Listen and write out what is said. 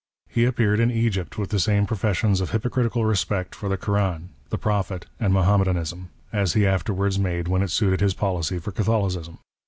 He appeared in Egypt with the same profes sions of hypocritical respect for the Koran, the Prophet, and Mahommedanism, as he afterwards made when it suited his policy for Catholicism.